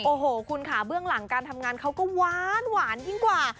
โอ้โหคุณค่ะเบื้องหลังการทำงานเขาก็หวานยิ่งกว่า